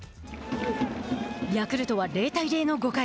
ヤクルトは、０対０の５回。